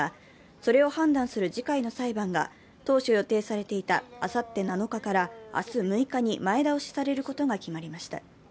それを判断する次回の裁判が当初予定されていたあさって７日から明日６日に前倒しされることが決まりました。